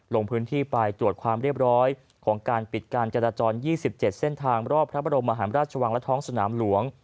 ลงพื้นที่ไปตรวจความเรียบร้อยของการปิดการจราจร๒๗เส้นทางรอบพระบรมมหาราชวังและท้องสนามหลวง